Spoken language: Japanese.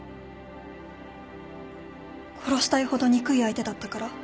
殺したいほど憎い相手だったから？